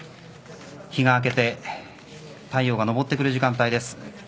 日が明けて太陽が昇ってくる時間帯です。